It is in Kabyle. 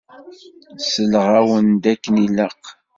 Selleɣ-awen-d akken ilaq.